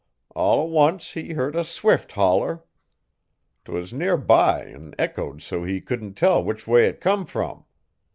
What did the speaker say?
All t' once he heard a swift holler. 'Twas nearby an' echoed so he couldn't tell which way it come from.